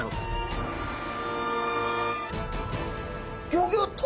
ギョギョッと！